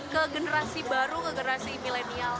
ke generasi baru ke generasi milenial